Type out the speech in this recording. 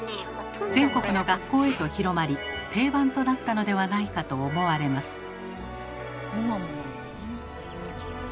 全国の学校へと広まり定番となったのではないかと思われます。